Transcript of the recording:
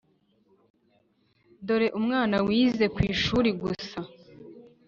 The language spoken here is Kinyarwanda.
dore umwana wize kwishuri gusa